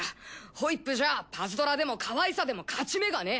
ホイップじゃあパズドラでもかわいさでも勝ち目がねえ。